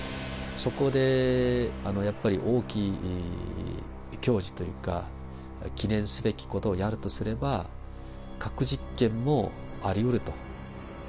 そこでやっぱり大きい行事というか、記念すべきことをやるとすれば、核実験もありうると。